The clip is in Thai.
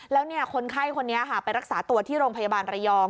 แล้วคนไข้คนนี้ไปรักษาตัวที่โรงพยาบาลระยอง